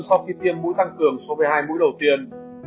sau khi tiêm mũi tăng cường so với hai mũi đầu tiên